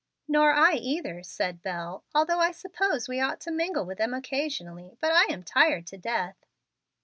"Nor I either," said Bel, "although I suppose we ought to mingle with them occasionally. But I am tired to death."